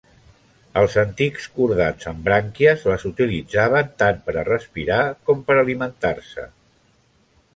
Els antics cordats amb brànquies les utilitzaven tant per a respirar com per a alimentar-se.